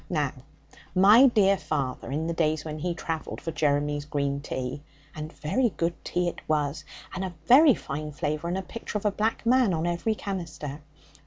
Now, my dear father, in the days when he travelled for Jeremy's green tea (and very good tea it was, and a very fine flavour, and a picture of a black man on every canister).